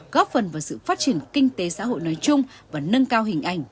góp phần vào sự phát triển kinh tế xã hội nói chung và nâng cao hình ảnh